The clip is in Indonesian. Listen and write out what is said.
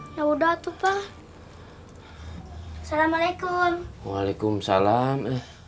ya udah tuh pak assalamualaikum waalaikumsalam